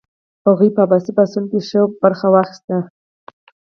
هغوی په عباسي پاڅون کې ښه ونډه واخیسته.